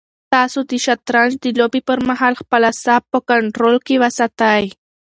تاسو د شطرنج د لوبې پر مهال خپل اعصاب په کنټرول کې وساتئ.